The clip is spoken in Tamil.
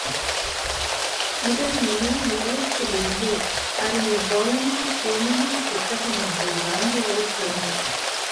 முதலில் நூல் நிலையத்திலிருந்து அறிஞர் டோலமியின் பூமிநூல் புத்தகம் ஒன்றை வாங்கிவரச் சொன்னான்.